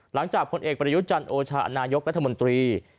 หลังจากผลเอกประยุจันทร์โอชานายกรัฐมนตรี